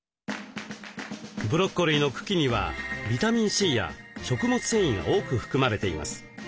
ブロッコリーの茎にはビタミンＣや食物繊維が多く含まれています。